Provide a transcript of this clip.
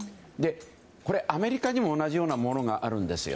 アメリカにも同じようなものがあるんですよ。